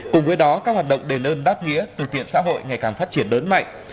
cùng với đó các hoạt động đền ơn đáp nghĩa từ thiện xã hội ngày càng phát triển lớn mạnh